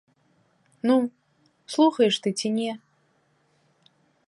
Ну, слухаеш ты ці не?